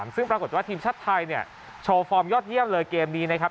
ซึ่งปรากฏว่าทีมชาติไทยเนี่ยโชว์ฟอร์มยอดเยี่ยมเลยเกมนี้นะครับ